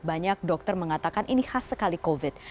banyak dokter mengatakan ini khas sekali covid